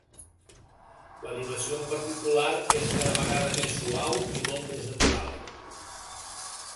L'animació en particular, és cada vegada més suau i molt més natural.